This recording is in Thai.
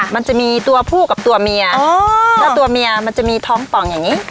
มันจะมีตัวผู้กับตัวเมียแล้วตัวเมียมันจะมีท้องป่องอย่างนี้